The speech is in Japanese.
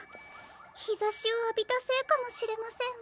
ひざしをあびたせいかもしれませんわ。